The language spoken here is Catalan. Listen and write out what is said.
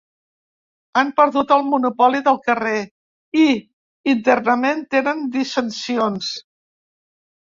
Han perdut el monopoli del carrer i internament tenen dissensions.